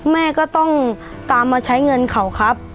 แม่ก็ต้องตามมาใช้เงินเขาครับ